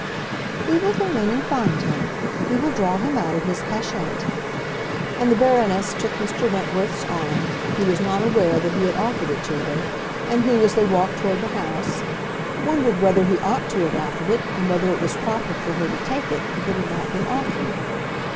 "We will go in and find him. We will draw him out of his cachette." And the Baroness took Mr. Wentworth's arm, who was not aware that he had offered it to her, and who, as they walked toward the house, wondered whether he ought to have offered it and whether it was proper for her to take it if it had not been offered.